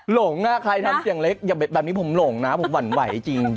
หลงใครทำเสียงเล็กแบบนี้ผมหลงนะผมหวั่นไหวจริง